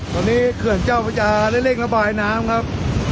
ตอนนี้เขื่อนเจ้าพระยาได้เร่งระบายน้ำครับ